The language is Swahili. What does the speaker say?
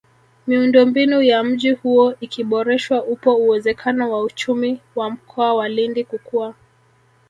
Miundombinu ya mji huo ikiboreshwa upo uwezekano wa uchumi wa Mkoa wa Lindi kukua